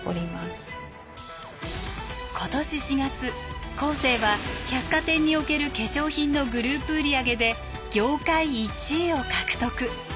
今年４月コーセーは百貨店における化粧品のグループ売り上げで業界１位を獲得。